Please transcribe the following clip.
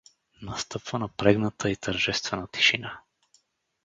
Настъпва напрегната и тържествена тишина.